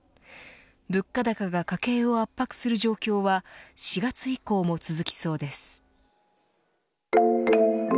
物価高が家計を圧迫する状況は４月以降も続きそうです。